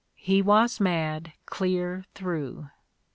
"He was mad clear through."